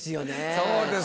そうですよ。